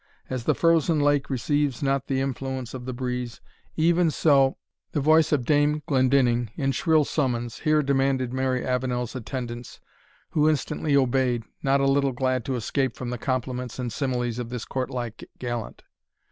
As the frozen lake receives not the influence of the breeze, even so " The voice of Dame Glendinning, in shrill summons, here demanded Mary Avenel's attendance, who instantly obeyed, not a little glad to escape from the compliments and similes of this courtlike gallant.